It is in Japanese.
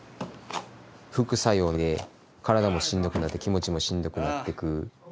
副作用で体もしんどくなって気持ちもしんどくなってく。